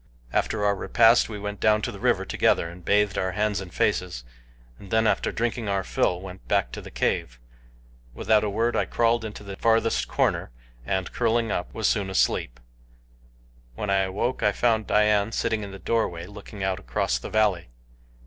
After our repast we went down to the river together and bathed our hands and faces, and then after drinking our fill went back to the cave. Without a word I crawled into the farthest corner and, curling up, was soon asleep. When I awoke I found Dian sitting in the doorway looking out across the valley.